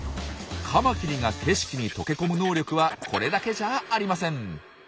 カマキリが景色に溶け込む能力はこれだけじゃありません。